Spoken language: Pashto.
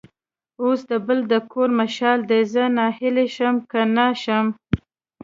اوس د بل د کور مشال دی؛ زه ناهیلی شم که نه شم.